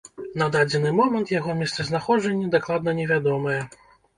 На дадзены момант яго месцазнаходжанне дакладна невядомае.